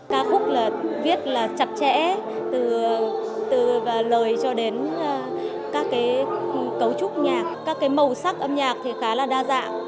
ca khúc viết là chặt chẽ từ lời cho đến các cấu trúc nhạc các màu sắc âm nhạc thì khá là đa dạng